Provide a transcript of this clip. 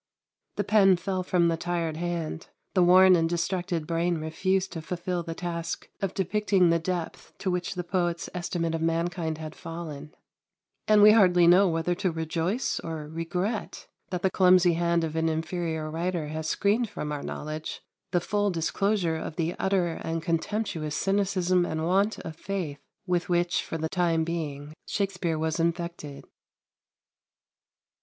The pen fell from the tired hand; the worn and distracted brain refused to fulfil the task of depicting the depth to which the poet's estimate of mankind had fallen; and we hardly know whether to rejoice or to regret that the clumsy hand of an inferior writer has screened from our knowledge the full disclosure of the utter and contemptuous cynicism and want of faith with which, for the time being, Shakspere was infected.